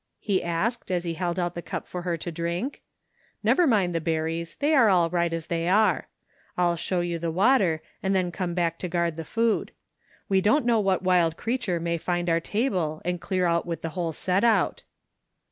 '' he asked as he held out the cup for her to drink " Never mind the berries, they are all right as they are. I'll show you the water and then come back to gfuard the food. We don't know what wild creature may fiitd our table and clear out with the whole set out."